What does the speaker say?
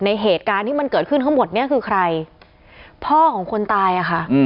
เหตุการณ์ที่มันเกิดขึ้นทั้งหมดเนี้ยคือใครพ่อของคนตายอ่ะค่ะ